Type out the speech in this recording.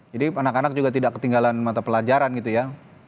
jadi anak anak juga tidak ketinggalan mata pelajaran gitu ya